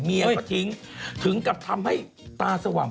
พี่ปุ้ยลูกโตแล้ว